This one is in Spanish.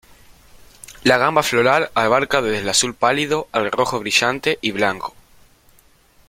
La gama floral abarca desde el azul pálido al rojo brillante y blanco.